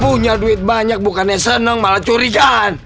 punya duit banyak bukannya seneng malah curikan